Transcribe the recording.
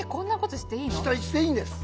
していいんです。